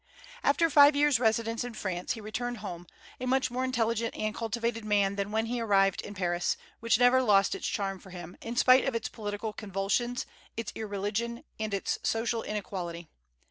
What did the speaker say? After five years' residence in France, he returned home, a much more intelligent and cultivated man than when he arrived in Paris, which never lost its charm for him, in spite of its political convulsions, its irreligion, and its social inequality.